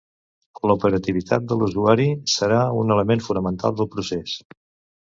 L'operativitat de l'usuari serà un element fonamental del procés.